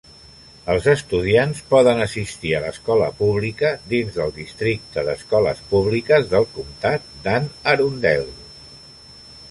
Els estudiants poden assistir a l'escola pública dins del districte d'escoles públiques del comtat d'Anne Arundel.